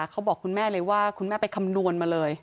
คุณแม่เลยว่าคุณแม่ไปคำนวณมาเลย